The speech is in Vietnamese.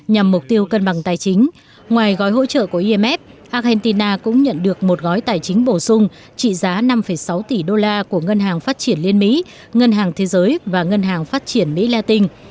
nhằm mục tiêu cân bằng tài chính ngoài gói hỗ trợ của imf argentina cũng nhận được một gói tài chính bổ sung trị giá năm sáu tỷ đô la của ngân hàng phát triển liên mỹ ngân hàng thế giới và ngân hàng phát triển mỹ la tinh